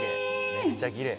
めっちゃきれい。